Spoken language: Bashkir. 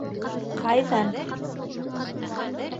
- Ҡайҙан?